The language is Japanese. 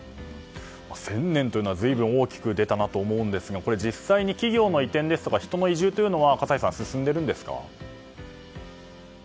１０００年というのは随分大きく出たなと思いますがこれ、実際に企業の移転ですとか人の移住というのは葛西さん、進んでいるんですか？